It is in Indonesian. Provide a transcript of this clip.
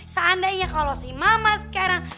seandainya kalau si mama sekarang